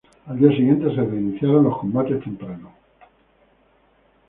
Al día siguiente se reiniciaron los combates temprano.